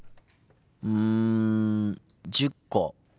うん１０個？